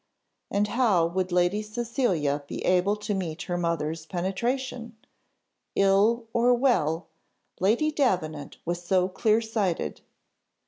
And how would Lady Cecilia he able to meet her mother's penetration? ill or well, Lady Davenant was so clear sighted.